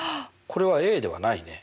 これはではないね。